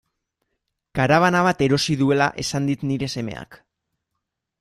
Karabana bat erosi duela esan dit nire semeak.